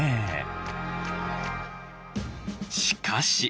しかし！